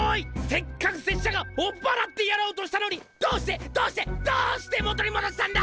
せっかく拙者が追っ払ってやろうとしたのにどうしてどうしてどうして元にもどしたんだ！